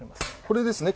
これですね。